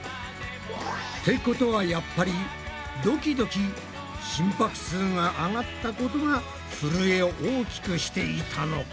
ってことはやっぱりドキドキ心拍数が上がったことがふるえを大きくしていたのか？